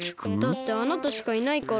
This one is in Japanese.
だってあなたしかいないから。